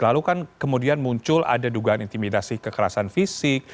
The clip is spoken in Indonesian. lalu kan kemudian muncul ada dugaan intimidasi kekerasan fisik